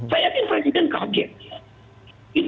saya yakin presiden kaget